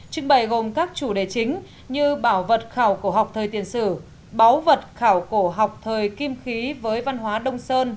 trưng bày gồm các chủ đề chính như bảo vật khảo cổ học thời tiền sử báo vật khảo cổ học thời kim khí với văn hóa đông sơn